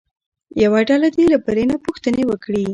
یوه ډله دې له بلې نه پوښتنې وکړي.